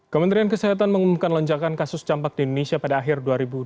kementerian kesehatan mengumumkan lonjakan kasus campak di indonesia pada akhir dua ribu dua puluh